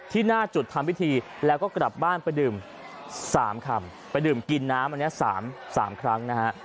หน้าจุดทำพิธีแล้วก็กลับบ้านไปดื่ม๓คำไปดื่มกินน้ำอันนี้๓ครั้งนะฮะ